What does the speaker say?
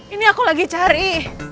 ini aku lagi cari